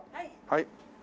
はい。